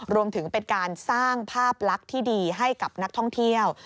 รวมถึงเป็นการสร้างภาพลักษณ์ที่ดีให้กับนักท่องเที่ยว